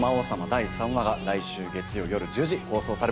第３話が来週月曜夜１０時放送されます。